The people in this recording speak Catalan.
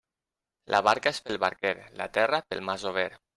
La barca és pel barquer; la terra, pel masover.